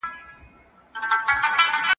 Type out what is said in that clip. د اولادونو نفقه د چا پر غاړه ده؟